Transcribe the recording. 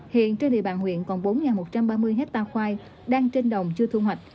hiện trên địa bàn huyện còn bốn một trăm ba mươi hectare khoai đang trên đồng chưa thu hoạch